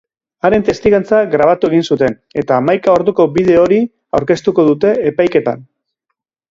Haren testigantza grabatu egin zuten eta hamaika orduko bideo hori aurkeztuko dute epaiketan.